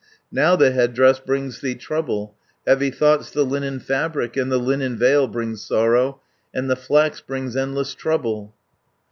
Now the head dress brings thee trouble, Heavy thoughts the linen fabric, 310 And the linen veil brings sorrow, And the flax brings endless trouble.